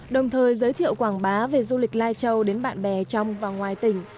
đồng thời giới thiệu quảng bá về du lịch lai châu đến bạn bè trong và ngoài tỉnh